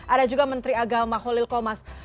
ada juga menteri agama holil komas